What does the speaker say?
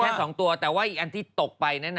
แค่๒ตัวแต่ว่าอีกอันที่ตกไปนั้น